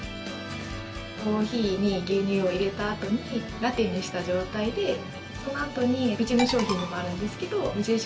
コーヒーに牛乳を入れたあとにラテにした状態で、そのあとにうちの商品でもあるんですけど無印